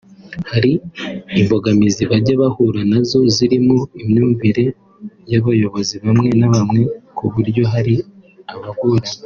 hari imbogamizi bajya bahura nazo zirimo imyumvire y’abayobozi bamwe na bamwe ku buryo hari abagorana